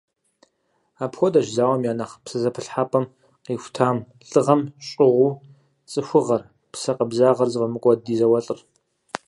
Апхуэдэщ зауэм я нэхъ псэзэпылъхьэпӏэм къихутами, лӏыгъэм щӏыгъуу цӏыхугъэр, псэ къабзагъэр зыфӏэмыкӏуэд ди зауэлӏыр.